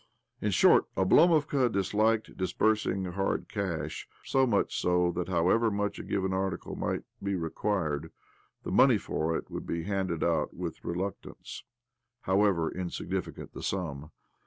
In short, Oblomovka disliked disbursing hard cash ; so much so that, however much a given article might be required, the money for it would be handed out with reluctance, however insignificant the sum.